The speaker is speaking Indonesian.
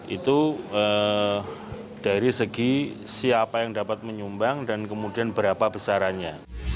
itu dari segi siapa yang dapat menyumbang dan kemudian berapa besarannya